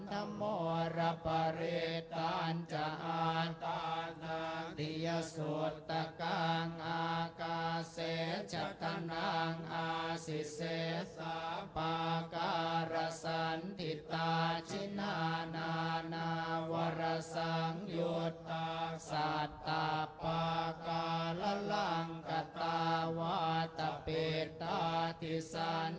นำมวลรับปริตัญจาธานที่สุทธกังอากาศเจ็ดจักรนางอาศิเซษภะการสันติตจินานานวรสังหยุดศัตริย์ภะกาละลังกะตะวะตะปิดตะทิสัน